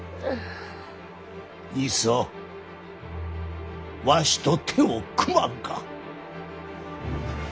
いっそわしと手を組まんか。